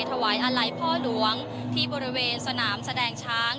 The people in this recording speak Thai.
ถวายอาลัยพ่อหลวงที่บริเวณสนามแสดงช้าง